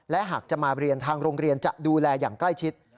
และหากจะมาเรียนทางโรงเรียนจะดูแลอย่างใกล้ชิด